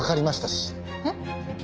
えっ？